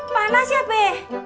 panas ya be